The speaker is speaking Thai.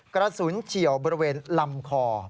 กระสุนเฉียวบริเวณลำคอ